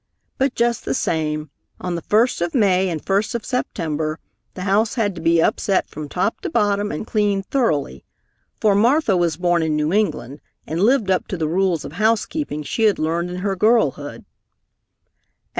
But just the same, on the first of May and first of September the house had to be upset from top to bottom and cleaned thoroughly, for Martha was born in New England and lived up to the rules of house keeping she had learned in her girlhood.